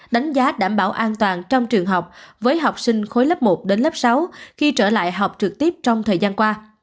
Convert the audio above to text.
đánh giá đảm bảo an toàn trong trường học với học sinh khối lớp một đến lớp sáu khi trở lại học trực tiếp trong thời gian qua